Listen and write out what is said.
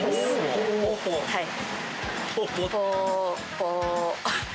はい。